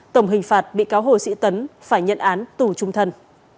tổng hình phạt bị cáo hồ sĩ tấn phải nhận án tù trung thân